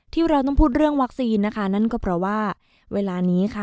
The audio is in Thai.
ที่เราต้องพูดเรื่องวัคซีนนะคะนั่นก็เพราะว่าเวลานี้ค่ะ